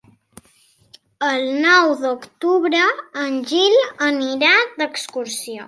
El nou d'octubre en Gil anirà d'excursió.